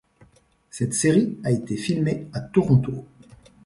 Cette série a été filmée à Toronto.